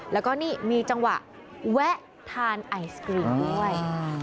แล้วก็นี่มีจังหวะแวะทานไอศกรีมด้วย